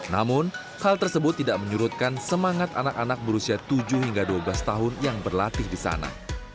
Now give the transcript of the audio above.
namun hal tersebut tidak menyurutkan semangat anak anak berusia tujuh hingga dua belas tahun yang berlatih di sana